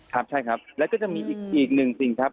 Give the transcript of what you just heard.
ครับใช่ครับแล้วก็จะมีอีกหนึ่งสิ่งครับ